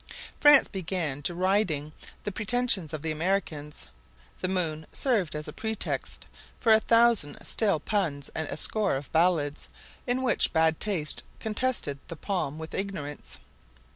France began by deriding the pretensions of the Americans. The moon served as a pretext for a thousand stale puns and a score of ballads, in which bad taste contested the palm with ignorance.